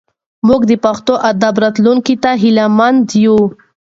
موږ د پښتو ادب راتلونکي ته هیله مند یو.